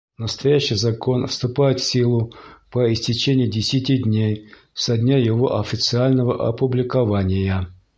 Настоящий Закон вступает в силу по истечении десяти дней со дня его официального опубликования.